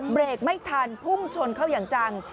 เบรกไม่ทันพุ่งชนเข้าอย่างจัง